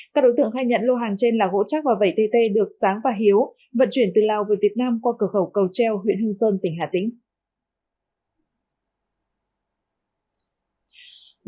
các đối tượng khai nhận lô hàng trên là gỗ chắc và vẩy tt được sáng và hiếu vận chuyển từ lào về việt nam qua cửa khẩu cầu treo huyện hương sơn tỉnh hà tĩnh